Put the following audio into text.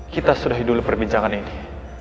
kita sudah hidup perbincangan ini